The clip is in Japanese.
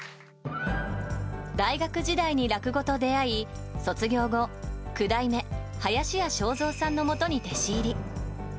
大学時代に落語と出会い卒業後、九代目林家正蔵さんのもとに弟子入り。